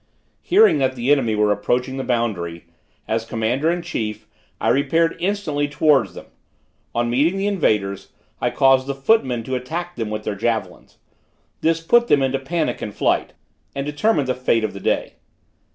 Hearing that the enemy were approaching the boundary, as commander in chief, I repaired instantly towards them. On meeting the invaders I caused the footmen to attack them with their javelins; this put them into panic and flight, and determined the fate of the day.